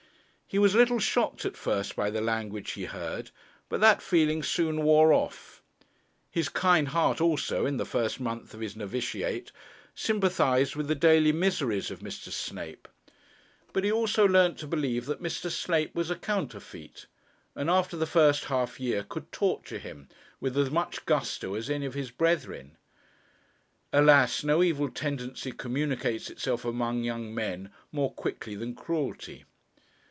He was a little shocked at first by the language he heard; but that feeling soon wore off. His kind heart, also, in the first month of his novitiate, sympathized with the daily miseries of Mr. Snape; but he also soon learnt to believe that Mr. Snape was a counterfeit, and after the first half year could torture him with as much gusto as any of his brethren. Alas! no evil tendency communicates itself among young men more quickly than cruelty.